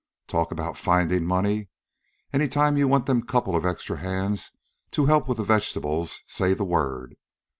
Talk about findin' money! Any time you want them couple of extra men to help out with the vegetables, say the word.